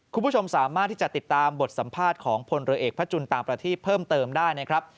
คุณผู้ชมสามารถที่จะติดตามบทสัมภาษณ์ของพลเรือเอกพระจุลตามประทีปเพิ่มเติมได้นะครับ